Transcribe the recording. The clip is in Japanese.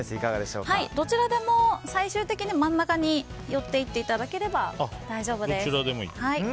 どちらでも最終的に真ん中に寄っていっていただければ大丈夫です。